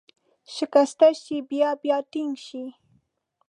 شکسته شي، بیا بیا ټینګ شي.